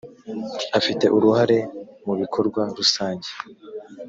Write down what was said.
afite uruhare mubikorwa rusange.